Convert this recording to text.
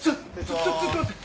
ちょちょっと待って！